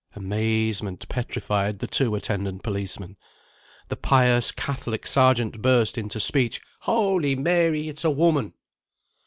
Amazement petrified the two attendant policemen. The pious Catholic Sergeant burst into speech: "Holy Mary! it's a woman!"